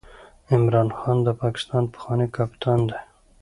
عمران خان د پاکستان پخوانی کپتان دئ.